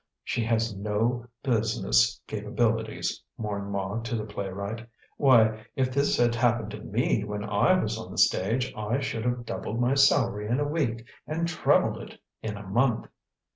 "She has no business capabilities," mourned Ma to the playwright. "Why, if this had happened to me when I was on the stage, I should have doubled my salary in a week and trebled it in a month!"